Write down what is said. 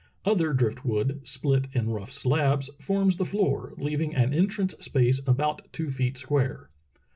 Other drift wood, split in rough slabs, forms the floor, leaving an entrance space about two feet square.